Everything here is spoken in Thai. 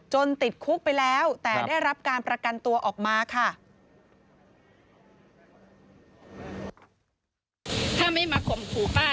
ติดคุกไปแล้วแต่ได้รับการประกันตัวออกมาค่ะ